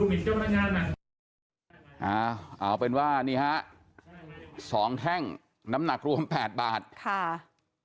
มีการจำนานของผมอะเกี่ยวกับทางทองลูกพันธ์เนี่ย